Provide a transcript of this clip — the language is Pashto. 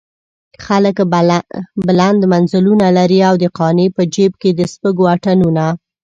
خلک بلند منزلونه لري او د قانع په جيب کې د سپږو اتڼونه.